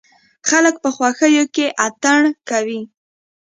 خلک په خوښيو کې اتڼ کوي.